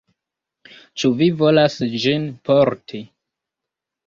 Ĉu vi volas ĝin porti?